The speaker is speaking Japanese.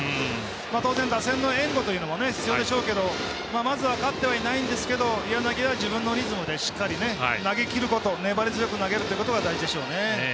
当然、打線の援護というのも必要でしょうけどまずは勝ってはいないんですけど柳は自分のリズムでしっかり、投げきること粘り強く投げることが大事でしょうね。